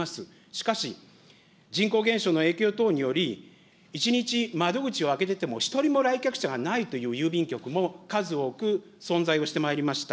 しかし、人口減少の影響等により、１日窓口を開けてても、１人も来客者がないという郵便局も数多く存在をしてまいりました。